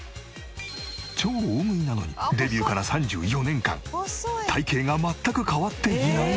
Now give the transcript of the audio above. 超大食いなのにデビューから３４年間体形が全く変わっていない！